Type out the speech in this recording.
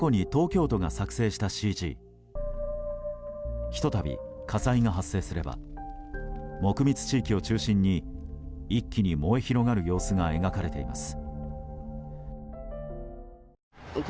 ひと度、火災が発生すれば木密地域を中心に一気に燃え広がる様子が描かれています。